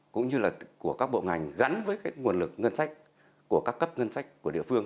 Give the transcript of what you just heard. cũng như là của các bộ ngành gắn với cái nguồn lực ngân sách của các cấp ngân sách của địa phương